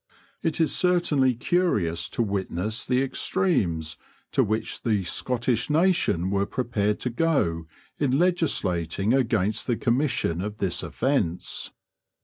It is certainly curious to witness the extremes to which the Scottish nation were prepared to go in legislating against the commission of this offence.